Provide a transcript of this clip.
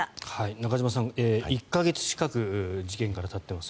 中島さん、１か月近く事件からたっています。